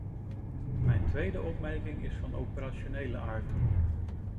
Mijn tweede opmerking is van operationele aard.